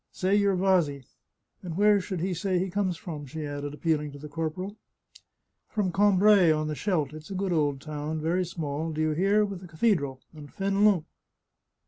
Say you're Vasi — and where should he say he comes from ?" she added, appealing to the corporal. " From Cambray, on the Scheldt — it's a good old town, very small, do you hear? with a cathedral — and Fenelon."